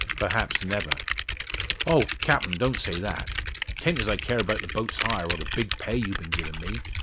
"Perhaps never." "Oh! Captain; don't say that. 'Tan't as I care 'bout the boat's hire, or the big pay you've been givin' me.